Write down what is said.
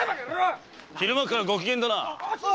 昼間からご機嫌だな。